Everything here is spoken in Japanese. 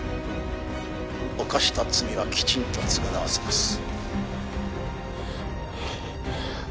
「犯した罪はきちんと償わせます」